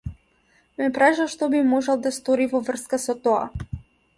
Ме праша што би можел да стори во врска со тоа.